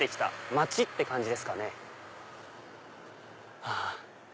街って感じですかね。